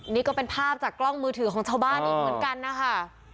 นี่ก็เป็นภาพจากกล้องมือถือของชาวบ้านอีกเหมือนกันนะคะ